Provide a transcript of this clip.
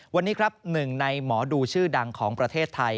วันนี้ครับหนึ่งในหมอดูชื่อดังของประเทศไทย